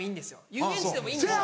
遊園地でもいいんです。